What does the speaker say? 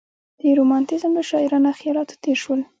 د رومانتیزم له شاعرانه خیالاتو تېر شول.